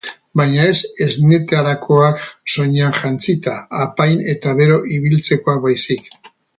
Baina ez esnetarakoak, soinean jantzita, apain eta bero ibiltzekoak baizik.